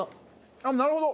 あっなるほど！